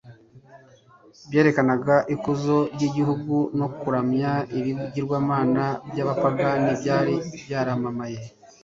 byerekanaga ikuzo ry’igihugu no kuramya ibigirwamana by’abapagani byari byaramamaye.